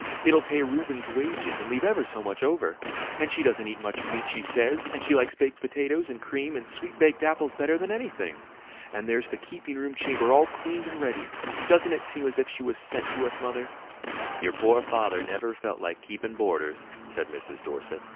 It'll pay Reuben's wages, and leave ever so much over! And she doesn't eat much meat, she says, and she likes baked potatoes and cream and sweet baked apples better than anything. And there's the keeping room chamber all cleaned and ready. Doesn't it seem as if she was sent to us, mother?" "Your poor father never felt like keepin' boarders," said Mrs. Dorset.